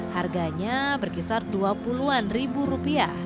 harganya berkisar dua puluh an ribu rupiah